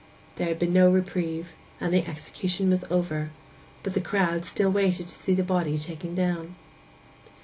There had been no reprieve, and the execution was over; but the crowd still waited to see the body taken down.